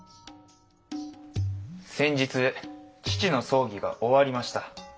先日父の葬儀が終わりました。